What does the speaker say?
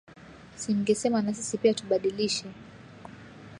Si mngesema na sisi pia tubadilishe